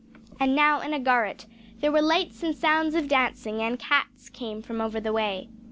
And now in a garret there were lights and sounds of dancing, and cats came from over the way.